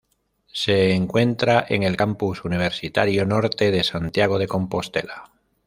Se encuentra en el Campus Universitario Norte de Santiago de Compostela.